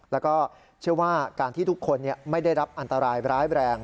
แล้วก็เชื่อว่าการที่ทุกคนไม่ได้รับอันตรายร้ายแรง